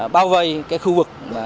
bao vây cái khu vực